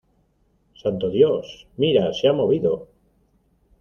¡ santo Dios! mira, se ha movido.